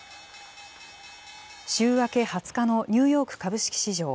週明け２０日のニューヨーク株式市場。